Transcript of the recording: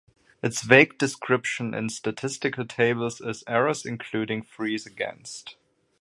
Its vague description in statistical tables is "errors including frees against".